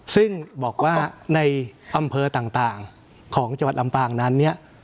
ซึ่งบอกว่าในอำเภอต่างของจังหวัดลำปางนั้นเนี่ย